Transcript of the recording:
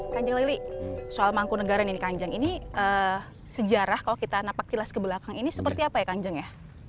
kanjeng lili soal mangkunegara nih kanjeng ini sejarah kalau kita napak tilas ke belakang ini seperti apa ya kanjeng ya